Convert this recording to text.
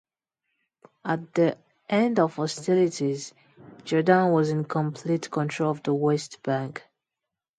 At the end of hostilities, Jordan was in complete control of the West Bank.